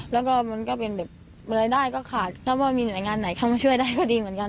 แล้วก็มันก็เป็นแบบรายได้ก็ขาดถ้าว่ามีหน่วยงานไหนเข้ามาช่วยได้ก็ดีเหมือนกัน